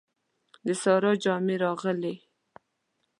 د سارا جامې راغلې.